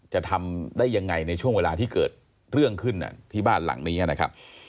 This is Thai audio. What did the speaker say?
จะทำได้ยังไงในช่วงเวลาที่เกิดเรื่องขึ้นที่บ้านหลังนี้นะครับ